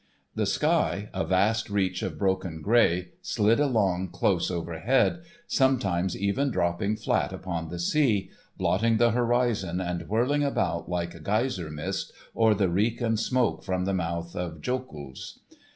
The sky, a vast reach of broken grey, slid along close overhead, sometimes even dropping flat upon the sea, blotting the horizon and whirling about like geyser mist or the reek and smoke from the mouth of jokuls.